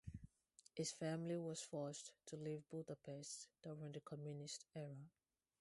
His family was forced to leave Budapest during the Communist era.